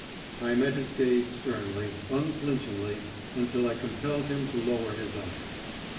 I met his gaze sternly, unflinchingly, until I compelled him to lower his eyes.